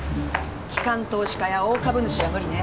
機関投資家や大株主は無理ね。